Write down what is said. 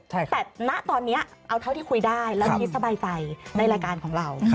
แต่ณตอนนี้เอาเท่าที่คุยได้แล้วคิดสบายใจในรายการของเรา